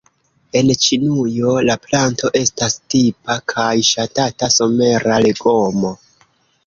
En Ĉinujo la planto estas tipa kaj ŝatata somera legomo.